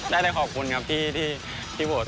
ได้แต่ขอบคุณครับที่โหวต